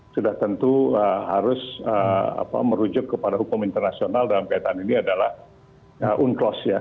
sudah tentu harus merujuk kepada hukum internasional dalam kaitan ini adalah unclos ya